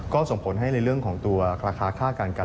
ก็ส่งผลให้ในเรื่องของตัวราคาค่าการกัน